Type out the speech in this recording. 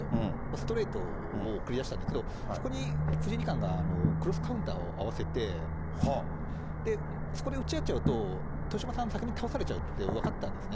ストレートを送り出したんだけど、そこに藤井二冠がクロスカウンターをあわせて、そこで打ち合っちゃうと豊島さん、先に倒されちゃうっていうのが分かったんですね。